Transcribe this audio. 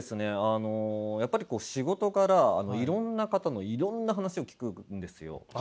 あのやっぱりこう仕事柄いろんな方のいろんな話を聞くんですよ。